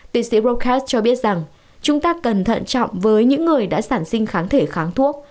tiến sĩ procast cho biết rằng chúng ta cần thận trọng với những người đã sản sinh kháng thể kháng thuốc